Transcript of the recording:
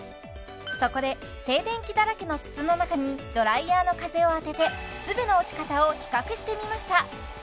そこで静電気だらけの筒の中にドライヤーの風を当てて粒の落ち方を比較してみました